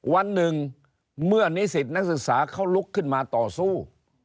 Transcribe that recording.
วันหนึ่งเมื่อนิสิตนักศึกษาเขาลุกขึ้นมาต่อสู้